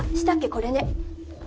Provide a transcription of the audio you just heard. これね。